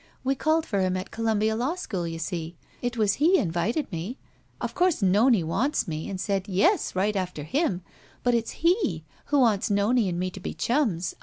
We called for him at Columbia Law School, you see. It was he invited me. Of course Nonie wants me and said 'Yes* right after him — but it's he — ^who wants Nonie and me to be chums.